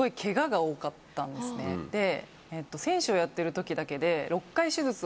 選手をやってる時だけで。